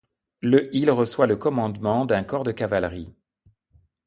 Le il reçoit le commandement d'un corps de cavalerie.